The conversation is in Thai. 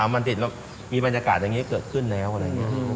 มันติดแล้วมีบรรยากาศอย่างนี้เกิดขึ้นแล้วอะไรอย่างนี้